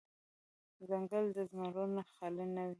ـ ځنګل د زمرو نه خالې نه وي.